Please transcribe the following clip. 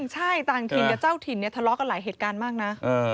ใช่ต่างถิ่นกับเจ้าถิ่นเนี่ยทะเลาะกันหลายเหตุการณ์มากนะ